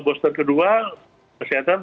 booster kedua kesehatan